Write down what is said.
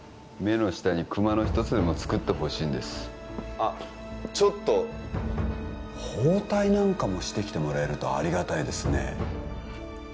目の下にクマの一つでもつくってほしいんですあっちょっと包帯なんかもしてきてもらえるとありがたいですね